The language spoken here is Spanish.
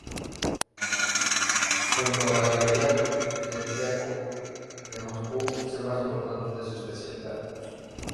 Junto a la Galería Tretiakov de Moscú es el más importante de su especialidad.